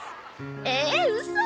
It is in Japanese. ええウソ！？